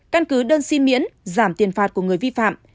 căn cứ đơn xin miễn giảm tiền phạt của người vi phạm